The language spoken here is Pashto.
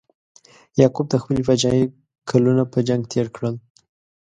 یعقوب د خپلې پاچاهۍ کلونه په جنګ تیر کړل.